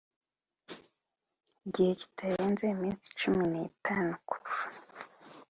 gihe kitarenze iminsi cumi n itanu kuva